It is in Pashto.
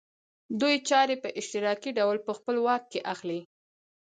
دوی چارې په اشتراکي ډول په خپل واک کې اخلي